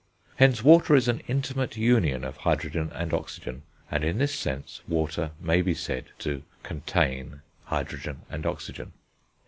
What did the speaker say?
Hence, water is an intimate union of hydrogen and oxygen; and, in this sense, water may be said to contain hydrogen and oxygen.